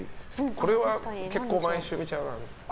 これは結構、毎週見ちゃうなみたいな。